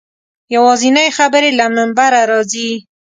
یوازینۍ خبرې له منبره راځي.